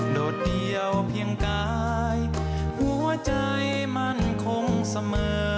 โดดเดี่ยวเพียงกายหัวใจมั่นคงเสมอ